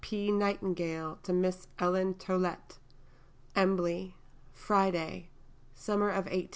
P. Nightingale to Miss Ellen Tollet._) EMBLEY, Friday [Summer of 1855].